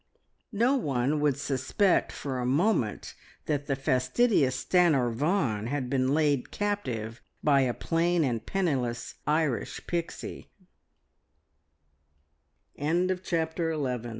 No one would suspect for a moment that the fastidious Stanor Vaughan had been laid captive by a plain and penniless Irish Pixie! CHAPTER TWELVE.